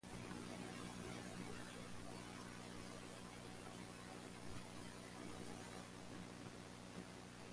Serebrennikov wrote the screenplay for the film while under house arrest.